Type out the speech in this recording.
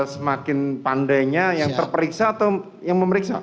semakin pandainya yang terperiksa atau yang memeriksa